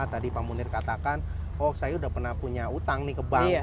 tadi pak munir katakan oh saya sudah pernah punya utang nih ke bank